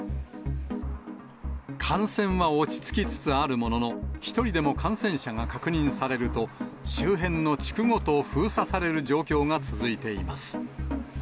感染は落ち着きつつあるものの、一人でも感染者が確認されると、周辺の地区ごと封鎖される状況が続いています。